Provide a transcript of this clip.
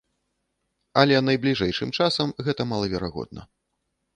Але найбліжэйшым часам гэта малаверагодна.